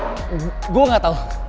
eh gue gak tau